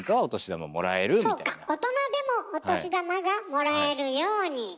大人でもお年玉がもらえるように。